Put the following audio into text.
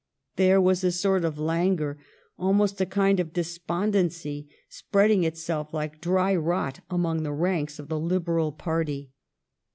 There was a sort of languor, almost a kind of despondency, spreading itself like dry rot among the ranks of the Liberal party.